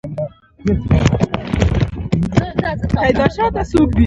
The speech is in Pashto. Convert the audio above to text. چې کله کله د بد روح پر لاس وي.